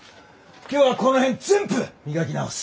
今日はこの辺全部磨き直す。